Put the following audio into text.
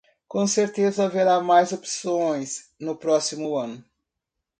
Com certeza haverá mais opções no próximo ano.